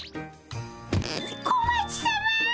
小町さま！